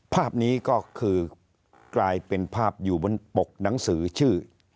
ภาพนี้ก็คือกลายเป็นภาพอยู่บนปกหนังสือชื่อ